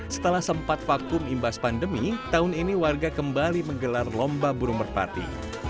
setelah sempat vakum imbas pandemi tahun ini warga kembali menggelar lomba burung merpati